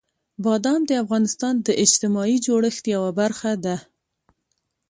بادام د افغانستان د اجتماعي جوړښت یوه برخه ده.